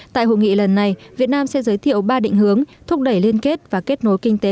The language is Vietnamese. tại hội nghị lần này việt nam sẽ giới thiệu ba định hướng thúc đẩy liên kết và kết nối kinh tế